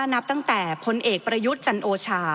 นับตั้งแต่พลเอกประยุทธ์จันโอชา